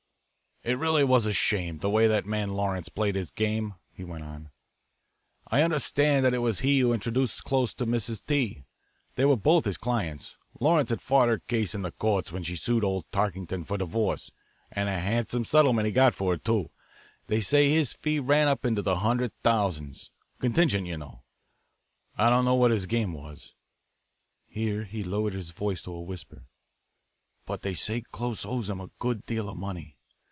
"It really was a shame, the way that man Lawrence played his game," he went on. "I understand that it was he who introduced Close to Mrs. T. They were both his clients. Lawrence had fought her case in the courts when she sued old Tulkington for divorce, and a handsome settlement he got for her, too. They say his fee ran up into the hundred thousands contingent, you know. I don't know what his game was" here he lowered his voice to a whisper "but they say Close owes him a good deal of money.